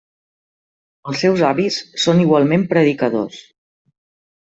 Els seus avis són igualment predicadors.